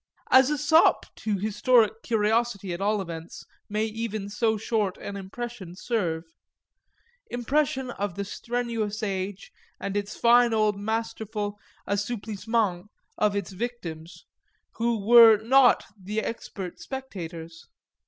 As a sop to historic curiosity at all events may even so short an impression serve; impression of the strenuous age and its fine old masterful assouplissement of its victims who were not the expert spectators.